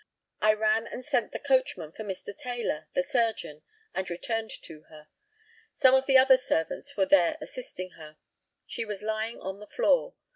I ran and sent the coachman for Mr. Taylor, the surgeon, and returned to her. Some of the other servants were there assisting her. She was lying on the floor.